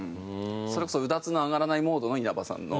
それこそうだつの上がらないモードの稲葉さんの。